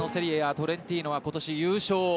トレンティーノは今年、優勝。